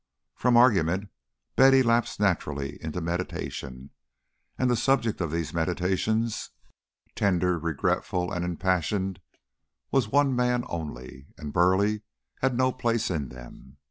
From argument Betty lapsed naturally into meditation, and the subject of these meditations, tender, regretful, and impassioned, was one man only; and Burleigh had no place in them.